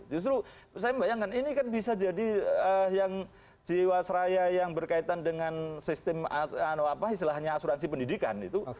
justru saya membayangkan ini kan bisa jadi yang jiwasraya yang berkaitan dengan sistem asuransi pendidikan itu